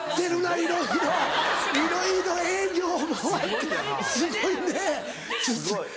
いろいろ営業回ってすごいね。